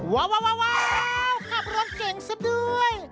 ว้าวข้าพร้อมเก่งซะด้วย